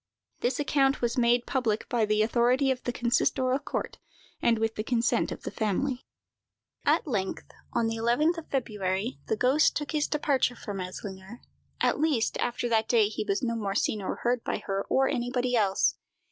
This account was made public by the authority of the consistorial court, and with the consent of the family. At length, on the 11th of February, the ghost took his departure from Eslinger; at least, after that day he was no more seen or heard by her or anybody else.